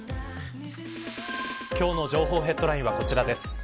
今日の情報ヘッドラインはこちらです。